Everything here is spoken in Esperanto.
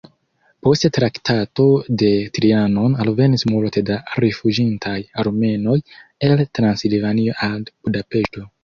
Post Traktato de Trianon alvenis multe da rifuĝintaj armenoj el Transilvanio al Budapeŝto.